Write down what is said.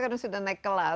karena kita sudah naik kelas